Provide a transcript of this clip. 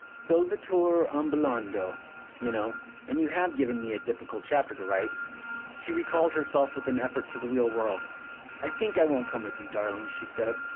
"Solvitur ambulando, you know, and you have given me a difficult chapter to write !" She recalled herself with an effort to the real world. "I think I won't come with you, darling," she said.